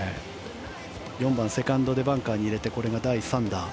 ４番セカンドでバンカーに入れてこれが第３打。